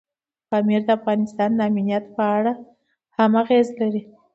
پامیر د افغانستان د امنیت په اړه هم اغېز لري.